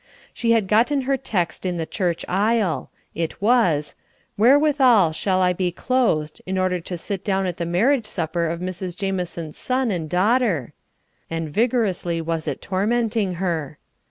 She had gotten her text in the church aisle. It was, "Wherewithal shall I be clothed, in order to sit down at the marriage supper of Mrs. Jamison's son and daughter?" And vigorously was it tormenting her.